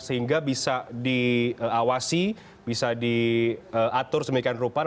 sehingga bisa diawasi bisa diatur sedemikian rupa